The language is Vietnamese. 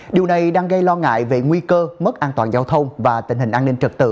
điều này đang gây lo ngại về nguy cơ mất an toàn giao thông và tình hình an ninh trật tự